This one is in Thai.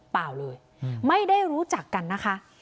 เปล่าเลยไม่ได้รู้จักกันนะคะ